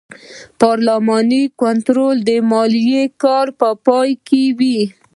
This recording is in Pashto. پارلماني کنټرول د مالي کال په پای کې وي.